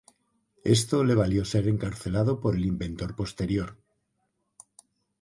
Esto le valió ser encarcelado por el interventor posterior.